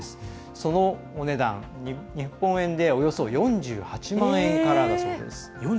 そのお値段、日本円でおよそ４８万円からだそうです。